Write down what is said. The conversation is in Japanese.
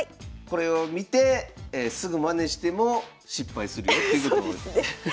これを見てすぐマネしても失敗するよっていうことですよね。